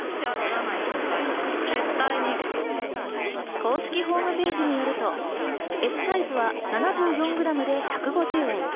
公式ホームページによると、Ｓサイズは７４グラムで１５０円。